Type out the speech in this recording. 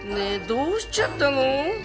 どうしちゃったの？